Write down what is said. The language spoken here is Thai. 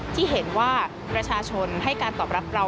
ที่เห็นว่าประชาชนให้การตอบรับเรา